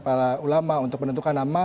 para ulama untuk menentukan nama